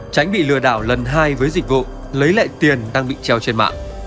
tránh bị lừa đảo lần hai với dịch vụ lấy lại tiền đang bị treo trên mạng